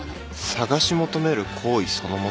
探し求める行為そのもの？